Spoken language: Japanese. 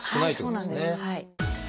そうなんですはい。